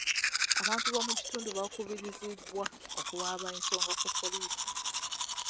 Abantu b'omu kitundu bakubirizibwa okuwaaba ensonga ku poliisi.